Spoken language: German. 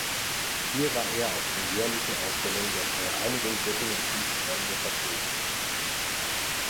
Hier war er auf den jährlichen Ausstellungen der „Vereinigung Göttinger Kunstfreunde“ vertreten.